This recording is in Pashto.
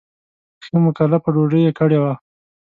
ښه مکلفه ډوډۍ یې کړې وه.